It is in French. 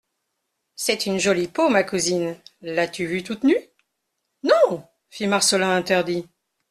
C'est une jolie peau, ma cousine ! L'as-tu vue toute nue ? Non, fit Marcelin interdit.